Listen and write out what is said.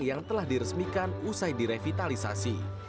yang telah diresmikan usai direvitalisasi